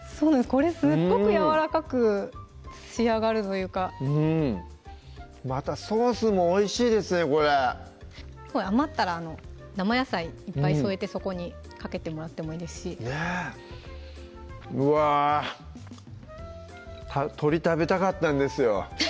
これすっごくやわらかく仕上がるというかまたソースもおいしいですねこれ余ったら生野菜いっぱい添えてそこにかけてもらってもいいですしうわぁ鶏食べたかったんですよ